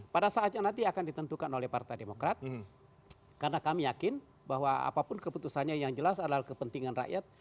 pada saat yang nanti akan ditentukan oleh partai demokrat karena kami yakin bahwa apapun keputusannya yang jelas adalah kepentingan rakyat